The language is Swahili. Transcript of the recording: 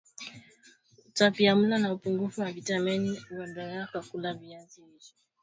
utapiamlo na upungufu wa vitamini A huondolewa kwa kula viazi lishe